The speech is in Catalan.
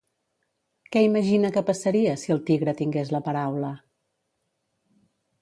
Què imagina que passaria si el tigre tingués la paraula?